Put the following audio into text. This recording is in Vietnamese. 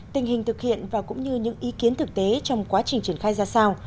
tình hình thực hiện và cũng như những ý kiến thực tế trong quá trình triển khai ra sao